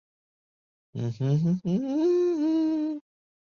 乾隆四十五年登庚子恩科进士。